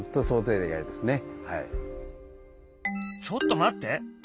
ちょっと待って。